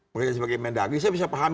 mungkin sebagai mendag saya bisa paham